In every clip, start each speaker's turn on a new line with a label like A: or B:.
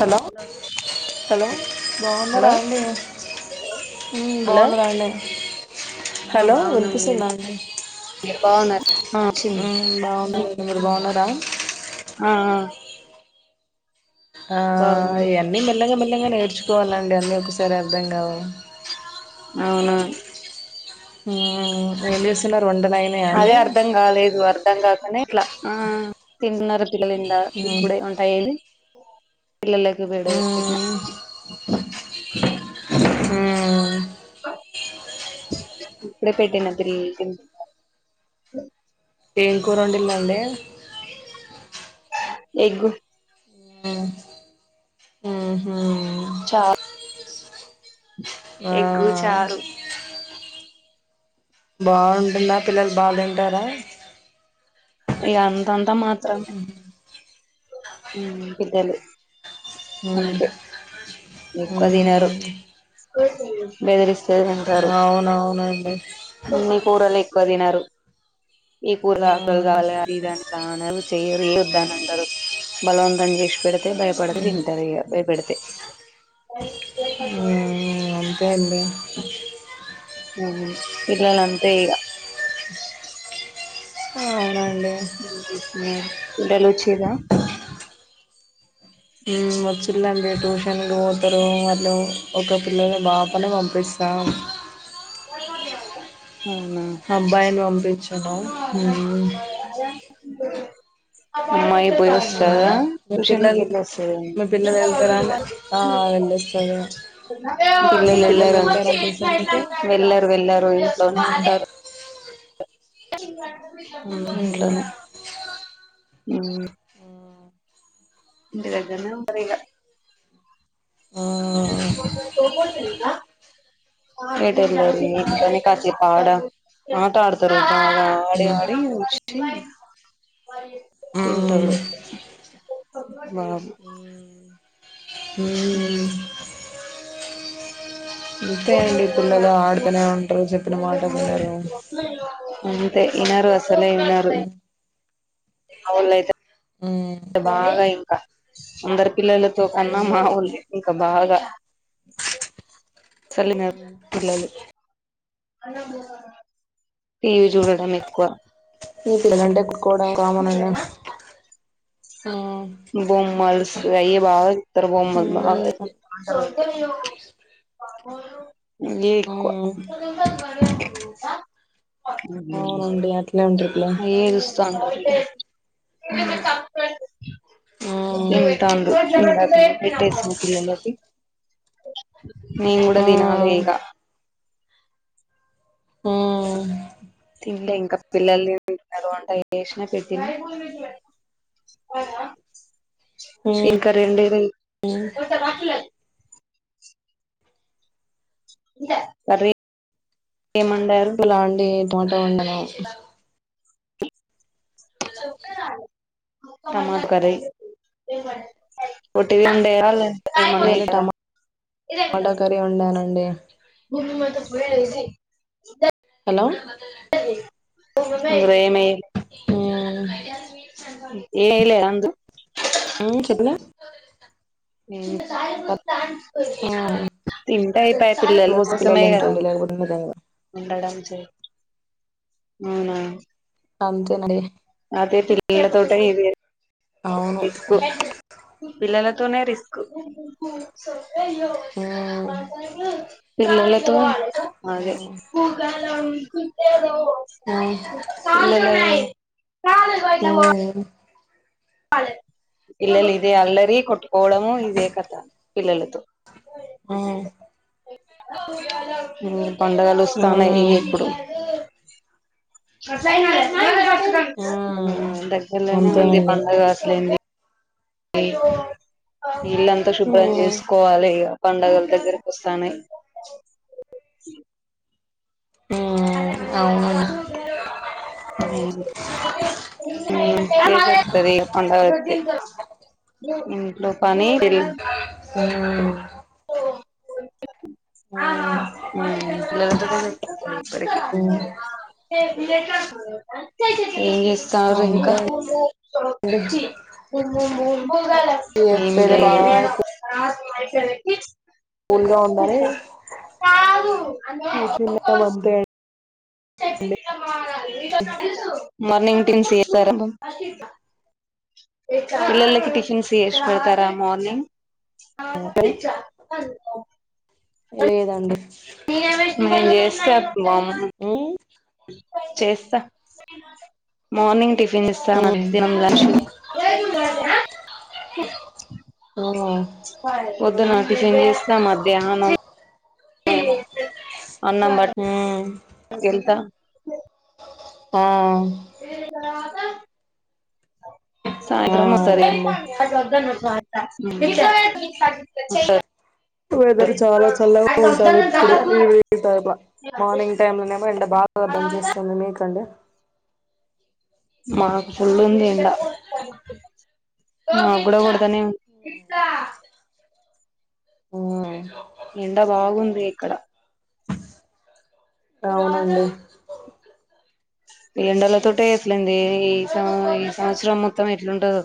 A: Hello hello
B: hello
A: బాగున్నారా అండి ఉ
B: హలో
A: బాగున్నారా అండి.
B: ఆ
A: హలో
B: బాగున్నామండి
A: వినిపిస్తుంద అండి?
B: మీరు బాగున్నారు ఆ
A: ఉ
B: వచ్చింది
A: బాగున్నారు. మీరు బాగున్నారా?
B: ఆ అ
A: ఆ
B: బాగున్నాం
A: ఇయన్నీ మెల్లగా మెల్లగా నేర్చుకోవాలండి, అన్నీ ఒకసారి అర్థం కావు.
B: అవునా
A: ఉ ఏం చేసున్నర్
B: అదే అర్ధం కాలేదు అర్ధం గాకనే అట్లా ఆ తింటున్నారు పిల్లలు ఇంద
A: ఉమ్
B: ఇప్పుడే వంట అయ్యింది పిల్లలకి పెడు పెట్నా
A: ఉమ్ ఊ
B: ఇప్పుడే పెట్టిన త్రీ
A: ఏం కూర వండిల్లు అల్లి
B: ఎగ్
A: ఉ
B: చా
A: ఆ
B: ఎగ్గు చారు
A: బాగుంటుందా పిల్లలు బా తింటారా?
B: ఇగ అంతంతా మాత్
A: హు
B: ఉ పిద్దలు
A: ఉమ్
B: అంతే ఎక్కువ తినరు
A: ఉమ్
B: బెదిరిస్
A: అవునవునండి
B: అన్ని కూరలు ఎక్కువ తినరు. ఈ కూర ఆ కూర కాల
A: మ్మ్
B: అది ఇందంట అ చెయ్యరు, ఏ వద్దు అనంటరు. బలవంతంగ ఏసీ పెడితే భయపడితే తింటరు ఇగ భయపెడితే. అ లే ఫట్ట
A: అ
B: ఉ పిల్లలంతే ఇగ
A: అవున
B: పిల్లలు వచ్చిలా
A: వచ్చిల్లు అండి. ట్యూషన్ పోతరు అట్ల ఒక పిల్లని బాపని పంపిస్ తావ్
B: రాల
A: అంబాయిన్ వంపిచ్
B: అమ్మాయి పోయెస్ సా
A: మ్మ్ మీ
B: టూషన్ కి
A: పిల్లలు
B: ఎల్లేసి
A: మీ పిల్లలు వెళ్తారా అండి ఆ వెళ్ళొస్తారు
B: పిల్లలు
A: మీ
B: వెళ్లరు,
A: వెళ్తారా ట్యూషన్కి
B: వెళ్లరు వెళ్లరు ఇంట్లొనే ఉంటారు.
A: [unintelligible] మ్మ్
B: ఉ
A: హ్మ్
B: ఇంట్లోనే ఉ ఇంటి దగ్గర్నే ఉంటరిగ
A: ఆ
B: తోపరిదిగా లేట్ ఎల్లరు, కానీ కాసేపు ఆడ ఆట ఆడతరు బా ఆ అడి
A: మ్మ్
B: ఆడి వచ్చి తింతడు
A: మ్మ్
B: బాబు
A: ఊ అంతే అండి పిల్లలు ఆడుతూనే ఉంటారు చెప్పిన మాటలు వినరు
B: అంతే వినరు అసలే వినరు అవున్ అయితే
A: ఉమ్
B: బాగా ఇంకా ఆమ్ పిల్లలతో కన్నా మామూల్ది ఇంకా బాగా చలున్నారు పిల్లలు టీవీ చూడడం ఎక్కువ
A: మీకుల గంటే కుడుకోడా కామనన్న
B: బొమ్మల్స్ అయి బాగా ఇద్దర బొమ్ల్ బాగా
A: ఉమ్ [unintelligible]
B: ఏయే ఎక్కువ
A: ఉమ్ అవునండి అట్లే ఉంటారు పిల్లలు
B: అయి చూస్తానారు
A: ఉమ్ ఉమ్
B: ఇ చ ఉమ్ పెట్టిసింది పిల్లలకి [inaudible] నేను కూడా తినాలి ఇగ
A: ఉమ్
B: ఇల్ ఇంకా పిల్ల వంట చేేషిన పెటినా
A: ఉమ్
B: ఇంకా రెండది కర్రీ ఏం వండరు
A: టమోటా వండిన
B: సపే టమాట కర్రీ ఓటిది వండి న్నా
A: ఇవాళ
B: ఈతర [inaudible]
A: టమాటా కర్రీ వండానండి
B: గుూమి మాతో ప అైసి
A: హలో
B: గ్రేమే
A: ఉమ్
B: ఏ ఇలే అందు
A: చెప్పలే
B: అ
A: ఆ
B: తింటా అయిపోయ పిల్లల
A: పోసి పిల్లలు
B: కోసమే కద
A: తింటారండి లేకపోతే తినరు.
B: ఉండడం అవునా
A: అంతేనడి
B: అదే పిల్లలతోటి [inaudible]
A: అవును
B: ఎక్కువ పిల్లల పిల్లలతో నీ రిస్క్
A: హ్మ్
B: తో అదే
A: హ్మ్ హ్మ్
B: పిల్లలు
A: ఉమ్
B: పిల్లలు ఇదే అల్లరి కొట్టుకోవడము ఇదే కథ పిల్లలతో
A: ఉమ్
B: పడుగలు వస్తాన్నాయి ఇగ
A: హ్మ్
B: ఇప్పుడు
A: హ్మ్
B: దగ్గరలోనే ఉంది
A: అంతేనండి
B: పండగ అట్లే ఇల్లంతా శుభ్రం
A: హ్మ్
B: చేసుకోవాలి ఇక పడుగాలు దగ్గరకి వస్తానాయి [unintelligible]
A: హ్మ్ అవునండి
B: ఉమ్ [inaudible] ఇంట్లో పని
A: ఉమ్ హ్మ్
B: పిల్లలతో నే సరిపోతది
A: హ్మ్
B: ఎప్పటికీ ఏం చేస్తా సార్ ఇంకా
A: అంతే
B: ఏం
A: వెదర్ బాగా
B: లేదు
A: కూల్ గా ఉందని
B: కాదు
A: కూర్చున్నాం అంతే
B: మార్నింగ్ టీన్స్ చేశారా మన్ పిల్లలకి టిఫిన్స్ చేసి పెడతారా మార్నింగ్
A: అంతే
B: ఫందా
A: లేదండి
B: మీమ్ చేస్తాప్ మామ్
A: హ్మ్
B: చేస్తా మార్నింగ్ టిఫిన్ ఇసా మధ్యానం లంచ్
A: ఓఓ
B: ద్దున టిఫిన్ చేస్త మధ్యానాన్ అన్నం బట్
A: హ్మ్
B: ఏళ్ళ్తా
A: ఆఆ
B: వేదిక రాక్
A: ఆ
B: సాయంత్రం వసది
A: అవునండి
B: హు్ ఉంటద్
A: వెదర్ చాలా చల్లగా ఉంటది. ఎప్పుడు ఈవినింగ్ టైంలా మార్నింగ్ టైమ్ లోనేమో ఎండ బాగా దచ్చేస్తుంది మీక అండి.
B: మాకు ఫుల్ ఉంది. ఎండ మా గూడ కొడితేనే ఉన్
A: అవునా
B: ఎండ బాగుంది ఇక్కడ
A: అవునండి.
B: ఈ ఎండాల తోటే ఎట్లుదేయ్ స ఈ సంవత్సరం మొత్తం ఎట్లుంటదో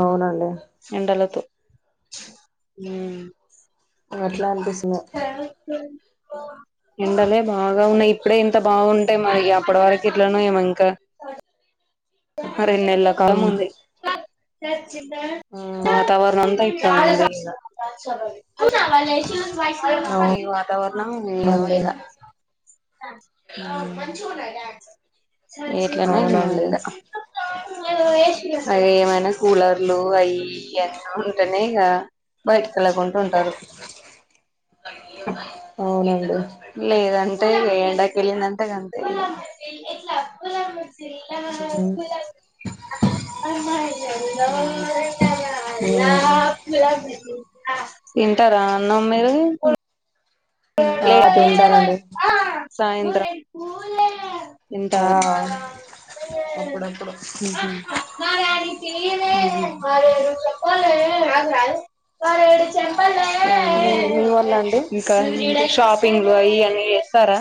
A: అవునండి
B: ఏండాలతో
A: అట్లా అనిపిస్
B: క్యాప్రాన్
A: ఇంకా
B: ఎండలే బాగా ఉన్నాయ్, ఇప్పుడే ఇంత బాగుంటే, మరి అప్పటి వరకు ఇట్లానేమో ఇంకా
A: ఇసలేడే
B: హారి నేలకా ముందే
A: మ్మ్
B: వాతావారణం అంత ఇట్లనే ఉంది ఇంగా ఈ వతావరణం ఏమో
A: అవునండి
B: ఇగా హుహ్ ఎట్లనో ఏమో
A: అవునండి
B: ఇగ అదేవైనా కూలర్లు
A: మ్మ్
B: అయి ఇయి అని ఉంటానే గా బయట్ కేళ్ళకుంటా ఉంటరు.
A: అవునండి
B: లేదంటే ఏ ఎండకెళ్ళినతా కన్పి తీలా కులం
A: మ్మ్ మ్మ్
B: ఆ ఇంటారా అన్నం మీరీ
A: ఆ తిట్టారాండి.
B: సాయంత్రం
A: ఆ
B: ఇంటర్
A: అప్పుడప్పుడు
B: హుహ్
A: నీల్ నీ వొళ్ళండి
B: ఇటు షాపింగ్లు అయియ్యి ఏసారా.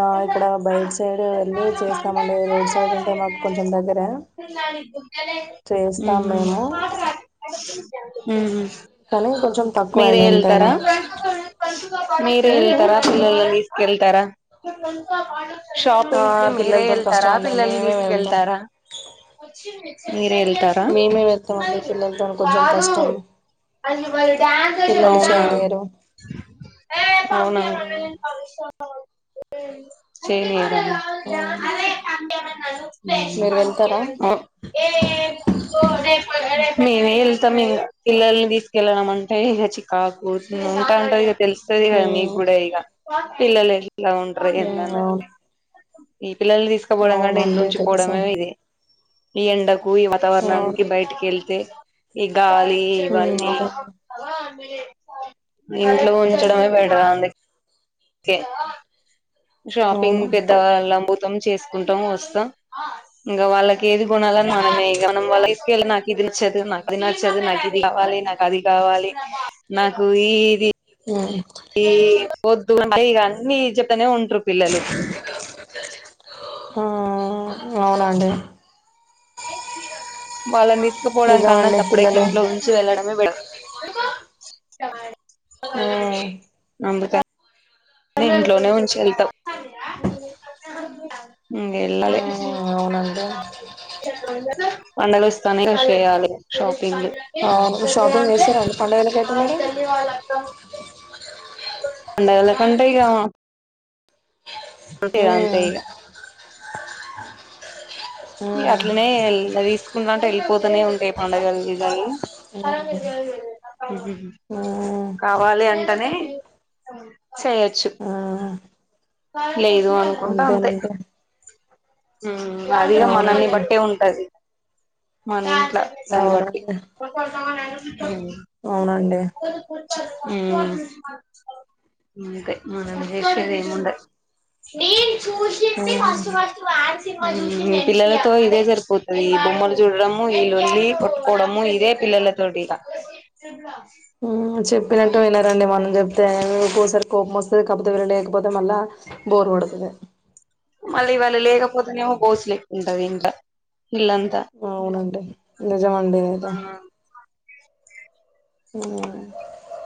A: ఆ ఇక్కడ బయట సైడ్ వెళ్ళి చేస్తామండి. రోడ్ సైడ్ ఉంటై మాకు కొంచెం దగ్గర
B: హుహ్
A: మేము
B: హుహ్
A: తనే కో
B: మీరే వెళ్తారా మీరే
A: ఉమ్
B: వెళ్తారా పిల్లల కెళ్తారా
A: ఆ
B: షాపింగ్ కి మీరే
A: పిల్లలతో
B: వెళ్తారా
A: కష్టం అండి
B: పిల్లల్ని
A: మేమే వెళ్తాం
B: తీసుకెళ్తారా మీరే వెళ్తారా
A: మేమే వెళ్తామండి పిల్లలతో కొంచెం కష్టం
B: అది బల్
A: పిల్లలు
B: అవునా
A: చేయనియరు
B: అవునా
A: ఉమ్
B: చేనీ
A: ఉమ్
B: స్
A: మీరు వెళ్తారా
B: ఏ రేపుే [unintelligible] మేమే వెళ్తాం ఇంగ పిల్లల్ని తీసుకెళ్ళడం అంటే ఇగ చికాకు ఉంటా ఉంటది తెల్స్తది కధ మీకు
A: ఉమ్
B: గూడ ఇగ పిల్లలు ఎట్లా ఉంటరు
A: ఉమ్
B: ఎందని
A: అవును
B: పిల్లల్ని తీసుకపోవడం కంటే ఇంట్లో
A: అవునండి
B: ఉంచి
A: తెలుసా
B: పోవడమే ఇది ఈ ఎండ కు ఈ
A: అవును
B: వాతావరణానికి బయటికి వెళ్తే ఈ గాలి
A: ఉమ్
B: ఇవన్నీ
A: అవునండి
B: మీ ఇంట్లో ఉంచడమే
A: ఉమ్
B: బెటర్ అందుక కే షాపింగ్
A: అవును
B: పెద్దవాళ్ళ భుతం చేసి కుంటాం వస్తాం ఇంకా వాళ్ళకి ఏది గుణాలని మనే మం తీసుకెళ్ళ [unintelligible] ఇది నచ్చదు నాకు అది నచ్చదు నాకు ఇది కావాలి నాకు అది కావాలి నాకు ఇది
A: ఉమ్
B: ఈ పొద్దు ఇ అన్నిీ చెప్తనే ఉంటారు పిల్లలు [unintelligible]
A: హ అవునండి
B: వాళ్ళని తీసుకుపోవడానీ కన్నా
A: నిజమండి
B: సప్పడేకి
A: పిల్లలే
B: ఇంట్లో ఉంచి వెళ్ళడమే బెటర్ బకా [unintelligible] ఇంట్లోనే ఉంచి వెళ్తాం ఇంగ వెళ్ళలే
A: అవునండి
B: వండలు ఇస్తానే కృషి చేయాలి షప్ [unintelligible] అ
A: అవును
B: పెలిగా
A: షాపింగ్
B: అంటే
A: చేస్తారండి పండుగలకైతే
B: ఆ
A: మీరు
B: తెల్లి వాళ్ళ అక్కం [unintelligible] పండగల కంటే ఇగ అంటే అంతే
A: మ్మ్
B: ఇగ అట్లనే తీసుకుంటా అంటే వెళ్ళిపోతూనే ఉంటాయి పండుగలునీ [unintelligible]
A: మ్మ్
B: అరజ [unintelligible]
A: మ్మ్ మ్మ్
B: కావాలి అంటనే చేయొచ్చు లేదు అ
A: ఉంటేనను ఉంటే
B: అదిగా మనల్ని బట్టే ఉంటది మనం సండబటి
A: అవునండి
B: [unintelligible]
A: అవునండి
B: ఉం అంతే మనం చేసేది నేను చూసి
A: మ్మ్
B: ఫస్ట్ ఫస్ట్ మార్ సినిమా చ పిల్ల [unintelligible] తో ఇదే సరిపోతది ఈ బొమ్మలు చూడడము ఈ లోల్లి కొట్టుకోవడము ఇదే పిల్లల తోటి ఇక నిజంగా [unintelligible]
A: ఉం చెప్పినట్టు వినరండి మనం చెప్తే కోపం వస్తది కాకపోతే వీళ్లు లేకపోతే మళ్ళ బోర్ కొడుతది
B: మళ్ళీ వాళ్ళు లేకపోతేనేమో బోస్లేక్కు ఉంటది ఇంట్ల ఇల్లంతా
A: అవునండి నిజమ అండి ఇది అయితే ఊ [unintelligible]